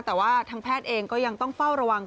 แต่ว่าทางแพทย์เองก็ยังต้องเฝ้าระวัง